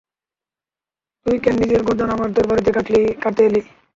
তুই কেন নিজের গর্দান আমার তরবারিতে কাটাতে এলি?